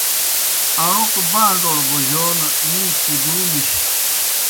اݨوکوْ بانڈوْڈ بوجون می کُدُو نِش۔